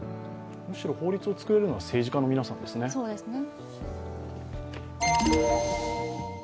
むしろ法律をつくれるのは政治家の皆さんですね。